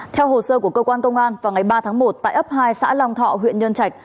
theo hồ sơ của cơ quan công an vào ngày ba tháng một tại ấp hai xã long thọ huyện nhân trạch